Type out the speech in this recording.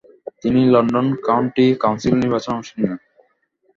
তিনি London county council নির্বাচনে অংশ নেন।